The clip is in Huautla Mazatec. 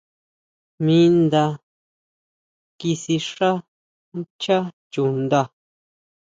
Mi nda kisixá nchá chuʼnda.